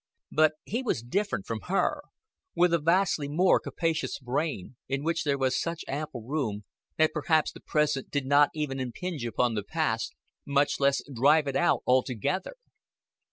But he was different from her; with a vastly more capacious brain, in which there was such ample room that perhaps the present did not even impinge upon the past, much less drive it out altogether.